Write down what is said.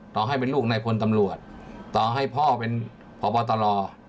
ต่อให้เป็นลูกในพลตำรวจต่อให้พ่อเป็นพบตร